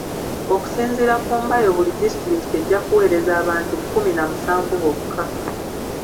Okusinziira ku Mbayo buli disitulikiti ejja kuweereza abantu kkumi na musanvu bokka.